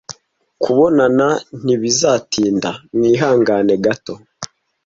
kubonana ntibizatinda mwihangane gato